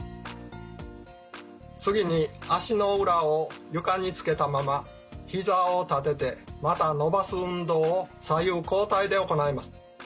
次に足の裏を床につけたままひざを立ててまた伸ばす運動を左右交代で行います。